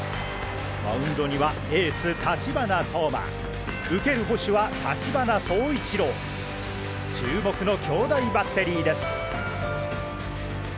マウンドにはエース立花投馬受ける捕手は立花走一郎注目の兄弟バッテリーです。